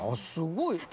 すごい。